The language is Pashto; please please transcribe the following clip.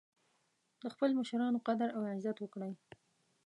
د خپلو مشرانو قدر او عزت وکړئ